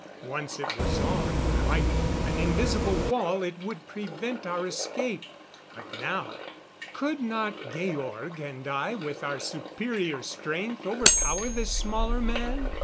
Once it was on, like an invisible wall it would prevent our escape. But now could not Georg and I with our superior strength overpower this smaller man?